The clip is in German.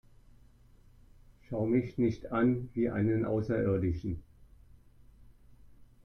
Schau mich nicht an wie einen Außerirdischen!